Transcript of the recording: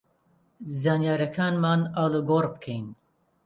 زانیارییەکانمان ئاڵوگۆڕ بکەین